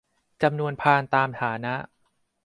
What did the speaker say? จำนวนพานตามฐานะ